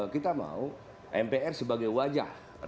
kita mau mpr sebagai wajah